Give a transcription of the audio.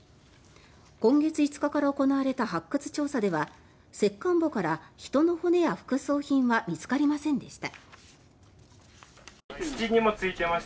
今月５日から行われた発掘調査では石棺墓から人の骨や副葬品は見つかりませんでした。